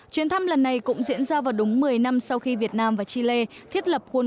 chuyến thăm lần này cũng diễn ra vào đúng một mươi năm sau khi việt nam và chile thiết lập khuôn